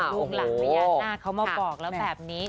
ลูกหลานพญานาคเขามาบอกแล้วแบบนี้